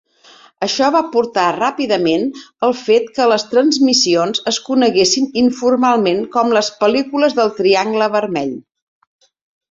Això va portar ràpidament al fet que les transmissions es coneguessin informalment com les "pel·lícules del triangle vermell".